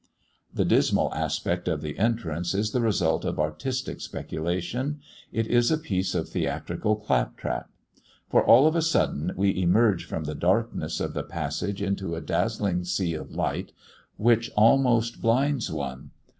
The dismal aspect of the entrance is the result of artistic speculation; it is a piece of theatrical claptrap. For all of a sudden we emerge from the darkness of the passage into a dazzling sea of light, which almost blinds one.